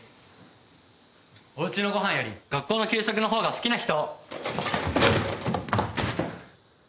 おうちのごはんより学校の給食のほうが好きな人！